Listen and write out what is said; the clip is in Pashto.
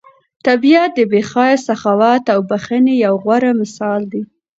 طبیعت د بې غایه سخاوت او بښنې یو غوره مثال دی.